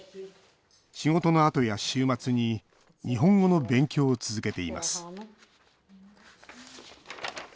仕事のあとや週末に日本語の勉強を続けています